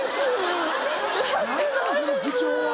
何なのその口調は。